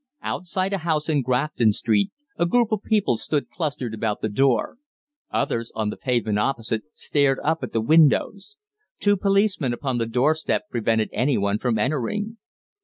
Outside a house in Grafton Street a group of people stood clustered about the door. Others, on the pavement opposite, stared up at the windows. Two policemen upon the doorstep prevented anyone from entering.